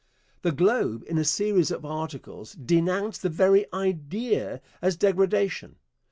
The Globe, in a series of articles, denounced the 'very idea as degradation.'